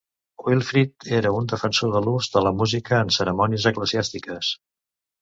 Wilfrid era un defensor de l'ús de la música en cerimònies eclesiàstiques.